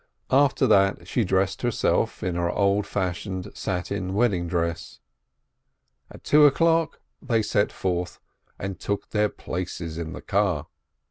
After that she dressed herself, in her old fashioned satin wed ding dress. At two o'clock they set forth, and took their places in the car.